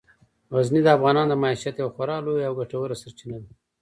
غزني د افغانانو د معیشت یوه خورا لویه او ګټوره سرچینه ده.